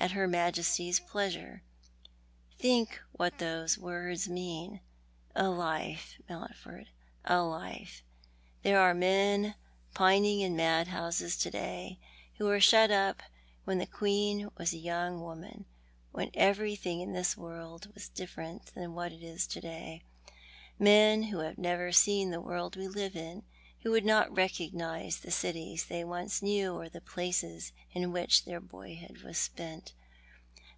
At Her Majesty's pleasure! Think what those words mean. A life, IMountford, a life ! There are men pining in madhouses to day who were shut up when the Queen was a young woman, when everything in this world was different from what it is to day. Men who have never seen the world we live in ; who would not recognise the cities they once knew or the places in which their boyhood was spent.